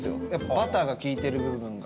バターが利いてる部分が。